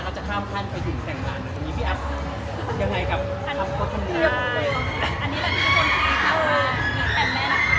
แล้วจะข้ามขั้นไปถึงแสงการ